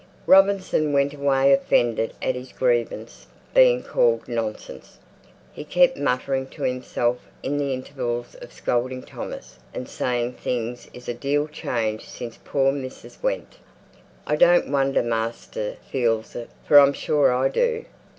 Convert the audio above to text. Robinson went away offended at his grievance being called nonsense. He kept muttering to himself in the intervals of scolding Thomas, and saying, "Things is a deal changed since poor missis went. I don't wonder master feels it, for I'm sure I do.